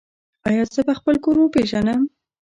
ایا زه به خپل کور وپیژنم؟